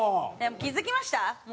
気づきました？